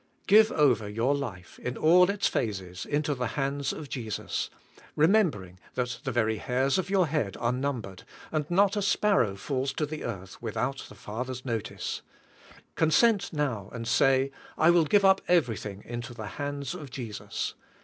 Give over your life, in all its phases, into the hands of Jesus; remembering that the very hairs of your head are numbered, and not a spar row falls to earth without the Father's notice. Consent now and say: "I will give up everything into the hands of Jesus.